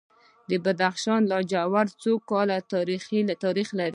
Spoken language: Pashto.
د بدخشان لاجورد څو کاله تاریخ لري؟